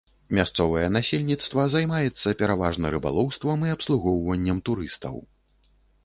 Мясцовае насельніцтва займаецца пераважна рыбалоўствам і абслугоўваннем турыстаў.